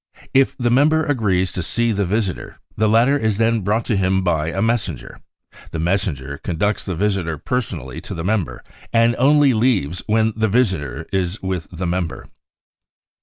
If the member agrees to see the visitor, the latter is. then brought to him by a messenger. The messenger con ducts the visitor personally to the member and only leaves when the visitor is with the member.